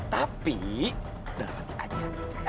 tapi udah mati aja